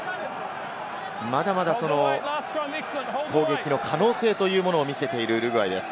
まだまだ攻撃の可能性を見せているウルグアイです。